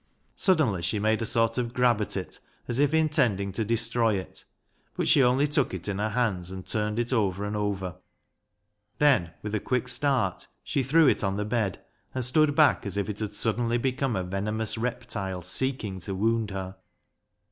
Suddenly she made a sort of grab at it as if intending to destroy it, but she only took it in her hands and turned it over and over. Then with a quick start she threw it on the bed, and stood back as if it had suddenly become a venomous reptile seeking to wound her.